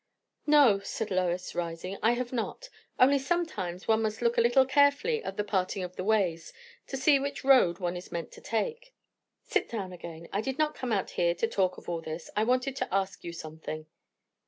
"No," said Lois, rising, "I have not. Only sometimes one must look a little carefully at the parting of the ways, to see which road one is meant to take." "Sit down again. I did not come out here to talk of all this. I wanted to ask you something."